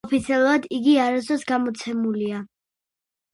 ოფიციალურად იგი არასოდეს გამოცემულა.